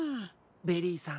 ベリーさん